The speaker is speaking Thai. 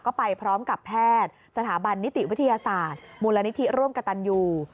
ก็ไปพร้อมกับแพทย์สถาบันนิติวิทยาศาสตร์มูลนิธิร่วมกับตันยู